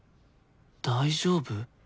大丈夫？